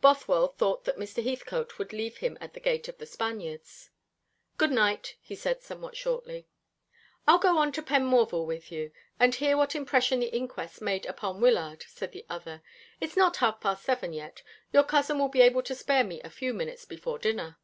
Bothwell thought that Mr. Heathcote would leave him at the gate of The Spaniards. "Good night," he said somewhat shortly. "I'll go on to Penmorval with you, and hear what impression the inquest made upon Wyllard," said the other. "It's not half past seven yet your cousin will be able to spare me a few minutes before dinner."